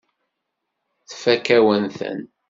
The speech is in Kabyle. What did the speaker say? Tfakk-awen-ten.